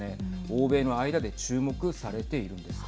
欧米の間で注目されているんです。